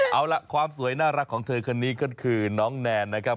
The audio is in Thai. เอาล่ะความสวยน่ารักของเธอคนนี้ก็คือน้องแนนนะครับ